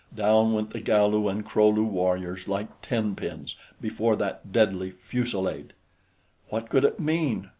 Down went the Galu and Kro lu warriors like tenpins before that deadly fusillade. What could it mean?